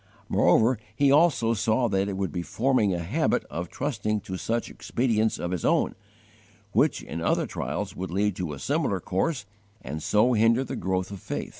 _ Moreover, he also saw that it would be _forming a habit of trusting to such expedients of his own, which in other trials would lead to a similar course and so hinder the growth of faith.